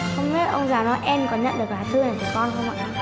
không biết ông già noel có nhận được lá thư này của con không ạ